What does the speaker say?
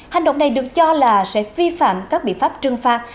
hành động này được cho là sẽ vi phạm các biện pháp trừng phạt